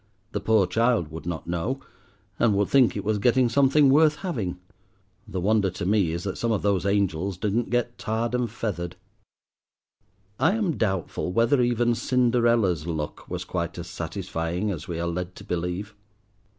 The poor child would not know, and would think it was getting something worth having. The wonder to me is that some of those angels didn't get tarred and feathered. I am doubtful whether even Cinderella's luck was quite as satisfying as we are led to believe.